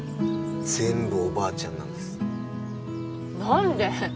全部おばあちゃんなんです何で？